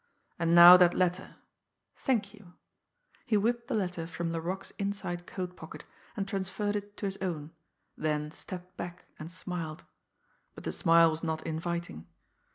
"And now that letter thank you!" He whipped the letter from Laroque's inside coat pocket and transferred it to his own, then stepped back, and smiled but the smile was not inviting.